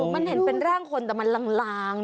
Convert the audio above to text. มันเห็นเป็นร่างคนแต่มันลาง